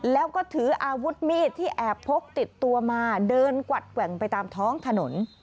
แล้วก็ถืออาวุธมีดที่แอบพกติดตัวมาเดินกวัดแกว่งไปตามท้องถนน